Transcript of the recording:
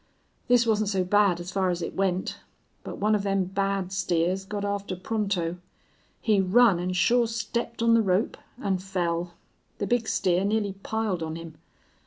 This wasn't so bad as far as it went. But one of them bad steers got after Pronto. He run an' sure stepped on the rope, an' fell. The big steer nearly piled on him.